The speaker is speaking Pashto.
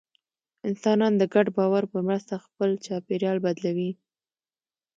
انسانان د ګډ باور په مرسته خپل چاپېریال بدلوي.